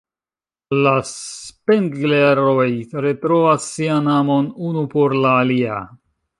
La Spengler-oj retrovas sian amon unu por la alia.